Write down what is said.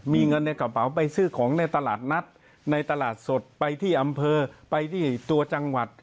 มีเงินในกระเป๋าไปซื้อของในตลาดนัดในตลาดสดไปที่อำเภอไปที่ตัวจังหวัด